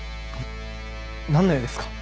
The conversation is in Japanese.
なんの用ですか？